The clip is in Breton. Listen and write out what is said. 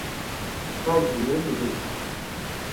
Kalz goulennoù a zo.